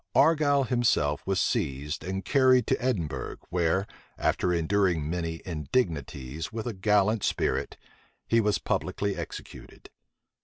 Argyle himself was seized and carried to Edinburgh, where, after enduring many indignities with a gallant spirit, he was publicly executed.